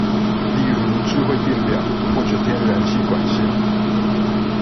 例如智慧電錶或者天然氣管線